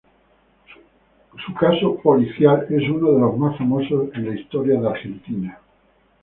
Su caso policial es uno de los más famosos en la historia argentina.